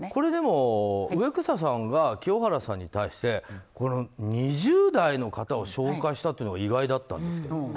でも植草さんが清原さんに対して２０代の方を紹介したのが意外だったんですけど。